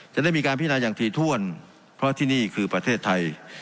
จะได้มีการพินาอย่างถี่ถ้วนเพราะที่นี่คือประเทศไทย